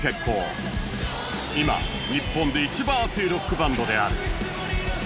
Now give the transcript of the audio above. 今日本で一番熱いロックバンドである